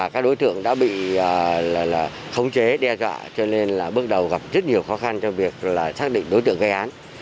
chúng tôi đã xác định đối tượng gây án